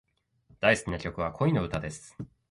大好きな曲は、恋の歌です。